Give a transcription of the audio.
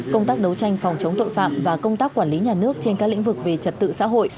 công tác đấu tranh phòng chống tội phạm và công tác quản lý nhà nước trên các lĩnh vực về trật tự xã hội